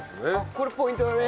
これポイントだね。